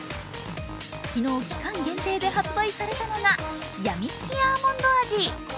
昨日、期間限定で発売されたのがやみつきアーモンド味。